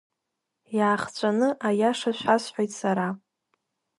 Иаахҵәаны аиаша шәасҳәоит сара.